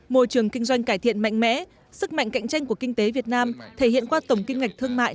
môi trường kinh doanh cải thiện mạnh mẽ sức mạnh cạnh tranh của kinh tế việt nam thể hiện qua tổng kim ngạch thương mại